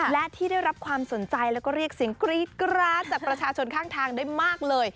และที่ได้รับความสนใจแล้วก็เรียกเสียงกรี๊ดกราดจากประชาชนข้างทางได้มากเลย